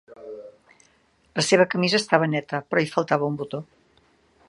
La seva camisa estava neta però hi faltava un botó.